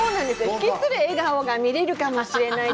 引きつる笑顔が見れるかもしれない。